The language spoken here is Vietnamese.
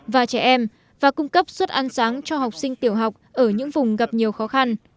và trẻ em và cung cấp suất ăn sáng cho học sinh tiểu học ở những vùng gặp nhiều khó khăn